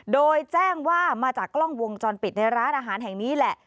โดยแจ้งว่ามาจากกล้องวงจรปิดในร้านอาหารแห่งนี้แหละ